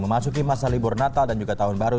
memasuki masa libur natal dan juga tahun baru